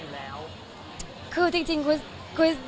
แต่ว่ามันเคยมีแบบเศรษฐงเจเจ๊วไหมหรือว่าเรากลุ่มใจอยู่แล้ว